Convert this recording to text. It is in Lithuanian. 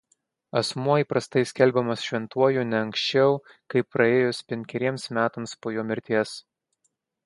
Asmuo įprastai skelbiamas šventuoju ne anksčiau kaip praėjus penkeriems metams po jo mirties.